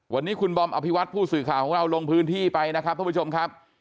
วันนี้คุณบอมอภิวัตผู้สื่อข่าวของเราลงพื้นที่ไปนะครับท่านผู้ชมครับ